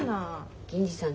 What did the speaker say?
銀次さん